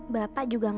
bapak juga gak ada